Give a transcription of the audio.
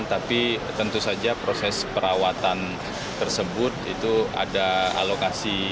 tapi tentu saja proses perawatan tersebut itu ada alokasi